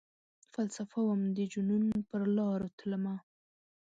فلسفه وم ،دجنون پرلاروتلمه